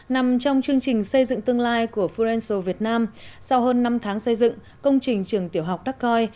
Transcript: nằm trong chương trình xây dựng tương lai của forenso việt nam sau hơn năm tháng xây dựng công trình trường tiểu học đắc coi